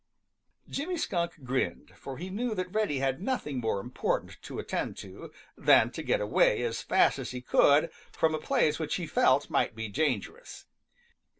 Jimmy Skunk grinned, for he knew that Reddy had nothing more important to attend to than to get away as fast as he could from a place which he felt might be dangerous.